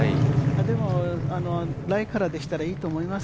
でもライからでしたらいいと思います。